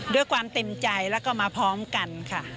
ด้วยความเต็มใจแล้วก็มาพร้อมกันค่ะ